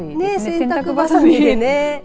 洗濯ばさみで。